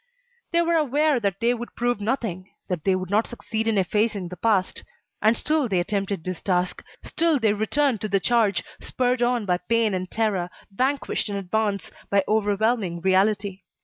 They were aware that they would prove nothing, that they would not succeed in effacing the past, and still they attempted this task, still they returned to the charge, spurred on by pain and terror, vanquished in advance by overwhelming reality.